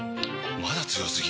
まだ強すぎ？！